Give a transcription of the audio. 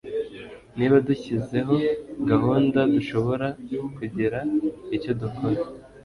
Niba dushyizeho gahunda dushobora kugira icyo dukora.